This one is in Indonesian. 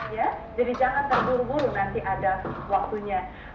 jadi jangan terburu buru nanti ada waktunya